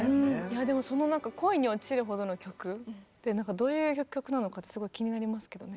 でもその恋に落ちるほどの曲ってどういう曲なのかってすごい気になりますけどね。